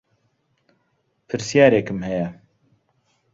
پرسیارێکم هەیە